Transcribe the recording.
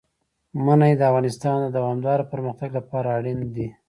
منی د افغانستان د دوامداره پرمختګ لپاره اړین دي.